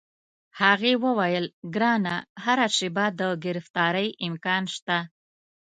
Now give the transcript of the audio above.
هغې وویل: ګرانه، هره شیبه د ګرفتارۍ امکان شته.